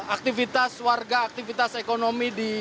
aktifitas warga aktivitas ekonomi